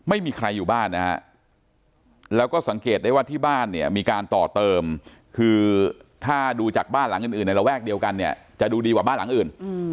ไม่มีใครอยู่บ้านนะฮะแล้วก็สังเกตได้ว่าที่บ้านเนี่ยมีการต่อเติมคือถ้าดูจากบ้านหลังอื่นในระแวกเดียวกันเนี่ยจะดูดีกว่าบ้านหลังอื่น